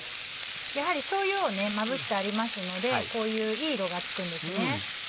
やはりしょうゆをまぶしてありますのでこういういい色がつくんですね。